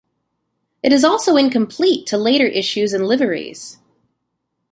It is also incomplete to later issues and liveries.